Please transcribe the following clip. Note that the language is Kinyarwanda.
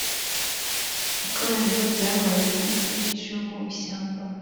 ikoraniro ryabaye mu bwihisho mu ishyamba